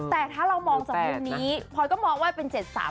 แต่ถ้าเรามองจากมุมนี้พลอยก็มองว่าเป็น๗๓